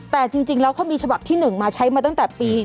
แต่จริงแล้วเขามีฉบับที่๑มาใช้มาตั้งแต่ปี๒๕